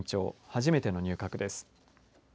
初めての入閣です。